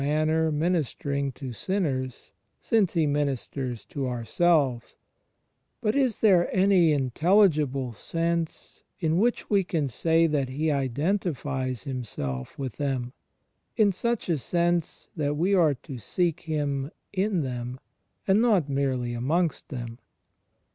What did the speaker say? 88 THE FRIENDSHIP OF CHRIST manner, ministering to sinners — since He ministers to ourselves — but is there any intelligible sense in which we can say that He identifies Himself with them, in such a sense that we are to seek Him in them, and not merely amongst them